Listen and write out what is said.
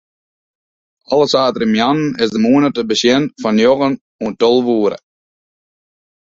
Alle saterdeitemoarnen is de mûne te besjen fan njoggen oant tolve oere.